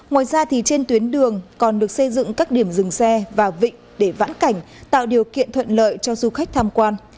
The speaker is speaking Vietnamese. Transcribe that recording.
ngoài ra trên tuyến đường còn được xây dựng các điểm dừng xe và vịnh để vãn cảnh tạo điều kiện thuận lợi cho du khách tham quan